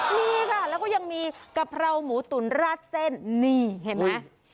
มีค่ะแล้วก็ยังมีกะเพราหมูตุ๋นราดเส้นนี่เห็นไหม